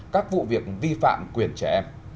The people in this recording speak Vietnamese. các vụ việc vi phạm quyền trẻ em